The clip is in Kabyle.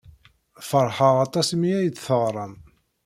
Feṛḥeɣ aṭas imi ay d-teɣram.